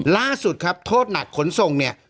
ล่าสุดครับโทษหนักขนส่งเนี่ย